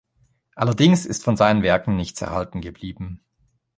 Allerdings ist von seinen Werken nichts erhalten geblieben.